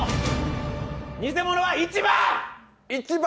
偽物は１番！